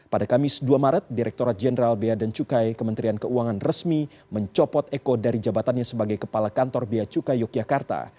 pada kamis dua maret direkturat jenderal bea dan cukai kementerian keuangan resmi mencopot eko dari jabatannya sebagai kepala kantor beacuka yogyakarta